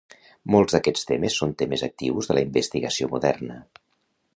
Molts d'aquests temes són temes actius de la investigació moderna.